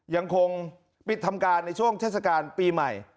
ยังคงปิดทำการในช่วงเทศกาลปีใหม่